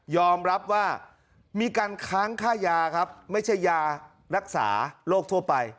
รับว่ามีการค้างค่ายาครับไม่ใช่ยารักษาโรคทั่วไป